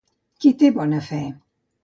Qui té bona fe?